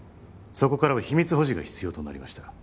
そこからは秘密保持が必要となりました